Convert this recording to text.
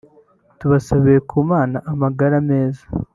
tubasabiye ku Mana amagara meza